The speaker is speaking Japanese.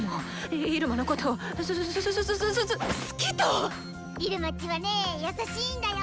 入間ちはね優しいんだよ！